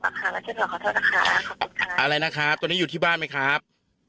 ขอโทษนะครับอะไรนะครับตอนนี้อยู่ที่บ้านไหมครับ